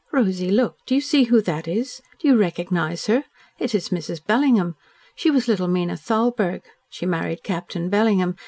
"Rosy, look! Do you see who that is? Do you recognise her? It is Mrs. Bellingham. She was little Mina Thalberg. She married Captain Bellingham.